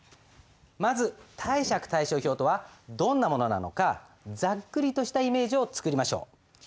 まず貸借対照表とはどんなものなのかざっくりとしたイメージをつくりましょう。